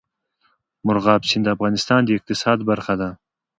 مورغاب سیند د افغانستان د اقتصاد برخه ده.